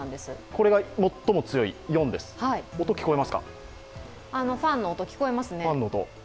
これが最も強い４です、ファンの音、聞こえますか。